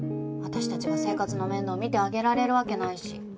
私たちが生活の面倒見てあげられるわけないし。